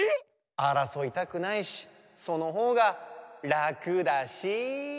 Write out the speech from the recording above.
・あらそいたくないしそのほうがらくだし。